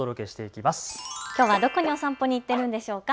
きょうはどこにお散歩に行っているんでしょうか。